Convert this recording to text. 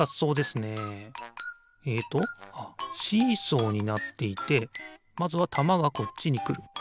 えっとあっシーソーになっていてまずはたまがこっちにくる。